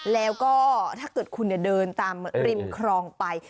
แล้วก็ถ้าเกิดคุณเดินตามริมคลองไป